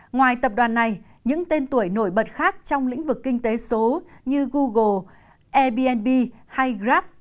ngoài tập đoàn này những tên tuổi nổi bật khác trong lĩnh vực kinh tế số như google airbnb hay grab